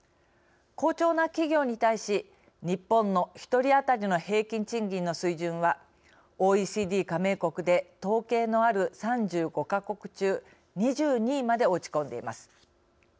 好調な企業に対し日本の１人当たりの平均賃金の水準はＯＥＣＤ加盟国で統計のある３５か国中２２位まで落ち込んでいます。